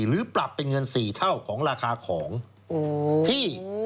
หรือปรับเป็นเงิน๔เท่าของราคาของที่